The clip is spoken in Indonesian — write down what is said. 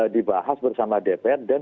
dibahas bersama dpr dan